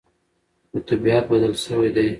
خو طبیعت بدل شوی دی.